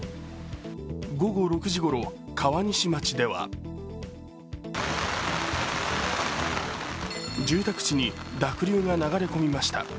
午後６時ごろ、川西町では住宅地に濁流が流れ込みました。